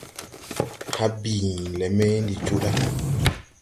Hãã bìin lɛ me ndi joo ɗa.